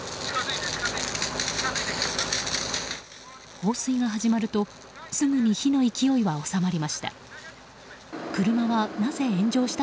放水が始まるとすぐに火の勢いは収まりました。